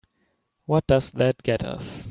What does that get us?